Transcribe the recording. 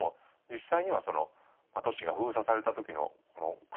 実際にはその都市が封鎖された時の苦境の中ではですね